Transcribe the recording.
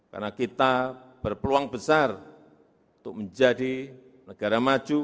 karena kita berpeluang besar untuk menjadi negara maju